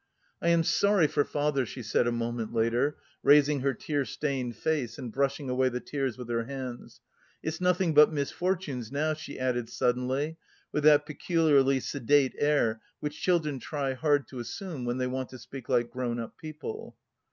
"I am sorry for father," she said a moment later, raising her tear stained face and brushing away the tears with her hands. "It's nothing but misfortunes now," she added suddenly with that peculiarly sedate air which children try hard to assume when they want to speak like grown up people.